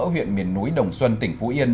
huyện miền núi đồng xuân tỉnh phú yên